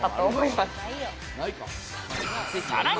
さらに！